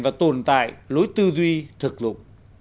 và tồn tại lối tư duy thực dụng